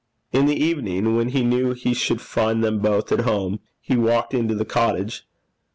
In the evening, when he knew he should find them both at home, he walked into the cottage.